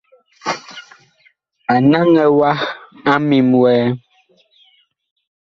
A naŋɛ wa a ŋmim wɛɛ.